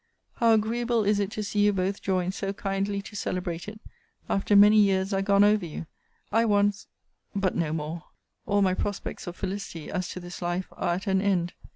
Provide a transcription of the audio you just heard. how agreeable is it to see you both join so kindly to celebrate it, after many years are gone over you! I once but no more! All my prospects of felicity, as to this life, are at an end.